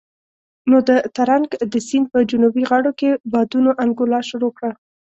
نو د ترنک د سيند په جنوبي غاړو کې بادونو انګولا شروع کړه.